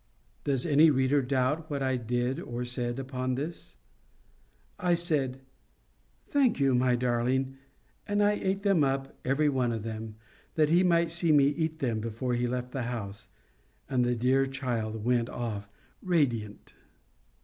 Does any reader doubt what I did or said upon this? I said, "Thank you, my darling," and I ate them up every one of them, that he might see me eat them before he left the house. And the dear child went off radiant.